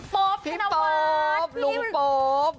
โป๊ปคันวาสลุงโป๊ปพี่พี่โป๊ปลุงโป๊ป